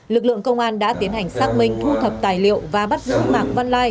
lực lượng công an đã tiến hành xác minh thu thập tài liệu và bắt giữ mạng văn lai